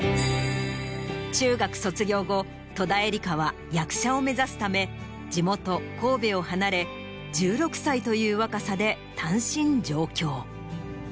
中学卒業後戸田恵梨香は役者を目指すため地元神戸を離れ１６歳という若さで単身上京。